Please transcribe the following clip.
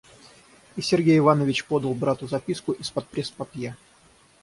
И Сергей Иванович подал брату записку из-под преспапье.